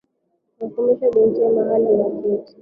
Akamwonesha bintiye mahali waketi.